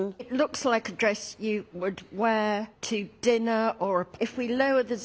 そうです。